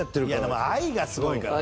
でも愛がすごいからね。